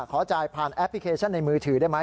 ขอจ่ายผ่านแอปพลิเคชันในมือถือได้ไหม